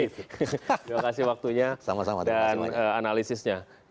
terima kasih waktunya dan analisisnya